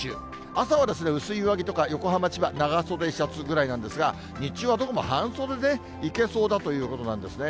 朝は薄い上着とか、横浜、千葉、長袖シャツぐらいなんですが、日中はどこも半袖でいけそうだということなんですね。